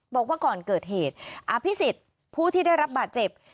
บอกว่าก่อนเกิดเหตุอภิษฎผู้ที่ได้รับบาดเจ็บ